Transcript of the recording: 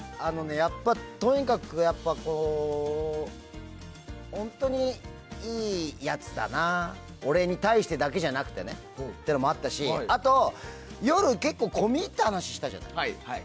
やっぱりとにかく本当にいいやつだな俺に対してだけじゃなくてね。っていうのもあったしあと、夜結構込み入った話したじゃない。